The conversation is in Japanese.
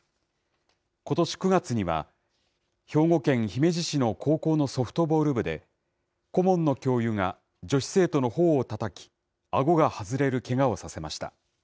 ことし９月には、兵庫県姫路市の高校のソフトボール部で、顧問の教諭が女子生徒のほおをたたき、あごが外れるけがをさせました。